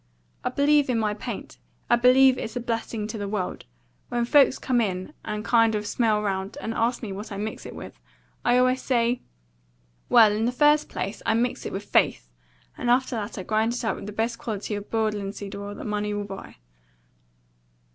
I believe in my paint. I believe it's a blessing to the world. When folks come in, and kind of smell round, and ask me what I mix it with, I always say, 'Well, in the first place, I mix it with FAITH, and after that I grind it up with the best quality of boiled linseed oil that money will buy.'"